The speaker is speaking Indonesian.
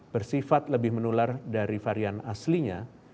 bersifat lebih menular dari varian aslinya